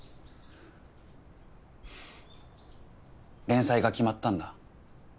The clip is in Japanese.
連載が決まったんだ。